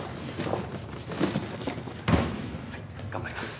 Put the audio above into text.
はい頑張ります。